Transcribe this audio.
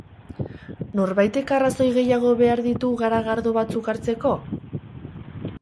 Norbaitek arrazoi gehiago behar ditu garagardo batzuk hartzeko?